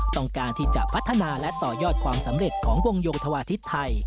ต้องการที่จะพัฒนาและต่อยอดความสำเร็จของวงโยธวาทิศไทย